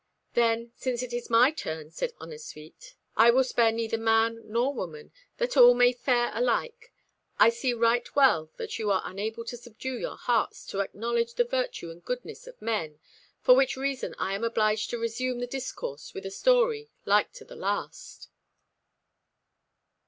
"Then, since it is my turn," said Ennasuite, "I will spare neither man nor woman, that all may fare alike. I see right well that you are unable to subdue your hearts to acknowledge the virtue and goodness of men, for which reason I am obliged to resume the discourse with a story like to the last."